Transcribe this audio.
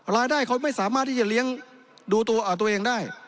รายได้เขาไม่สามารถที่จะเลี้ยงดูตัวเองได้